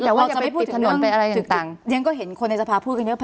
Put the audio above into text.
เราจะไม่พูดถึงเรื่องเรียนก็เห็นคนในศาภาพูดอย่างนี้ว่า